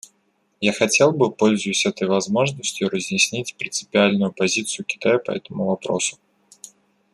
Я хотел бы, пользуясь этой возможностью, разъяснить принципиальную позицию Китая по этому вопросу.